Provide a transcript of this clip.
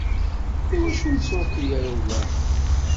Iwacu ur nettruḥ ara lwaḥi?